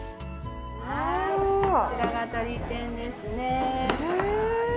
こちらがとり天ですね。